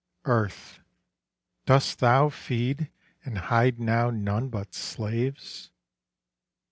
Earth, dost thou feed and hide now none but slaves?